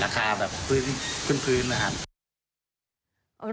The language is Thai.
คาแบบพื้นนะครับ